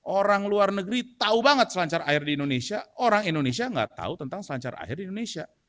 orang luar negeri tahu banget selancar air di indonesia orang indonesia nggak tahu tentang selancar air di indonesia